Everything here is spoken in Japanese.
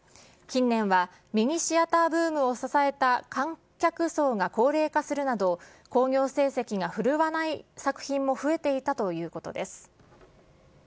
近年は、ミニシアターブームを支えた観客層が高齢化するなど、興行成績が振るわない作品も増えていたということです。